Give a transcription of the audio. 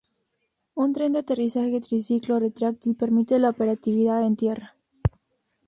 Un tren de aterrizaje triciclo retráctil permite la operatividad en tierra.